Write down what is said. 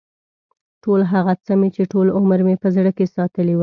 ټول هغه څه مې چې ټول عمر مې په زړه کې ساتلي و.